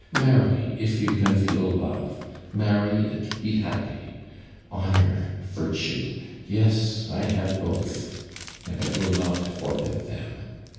Marry, if you can feel love marry, and be happy. Honour! virtue! Yes, I have both, and I will not forfeit them.